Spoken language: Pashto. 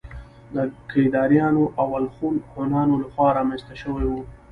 د کيداريانو او الخون هونانو له خوا رامنځته شوي وو